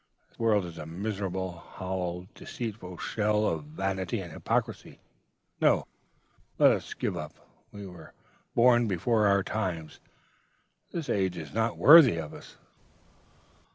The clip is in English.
The world is a miserable, hollow, deceitful shell of vanity and hypocrisy. No: let us give up. We were born before our time: this age is not worthy of us.'